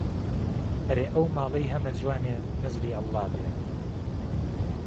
ئهرێ ئهو ماڵهی ههمه جوانێ نهزری ئهڵڵا بێ